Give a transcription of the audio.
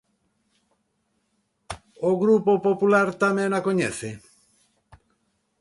¿O Grupo Popular tamén a coñece?